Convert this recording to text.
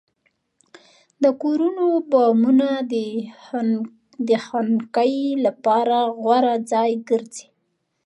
د کورونو بامونه د خنکۍ لپاره غوره ځای ګرځي.